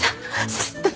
すっとね。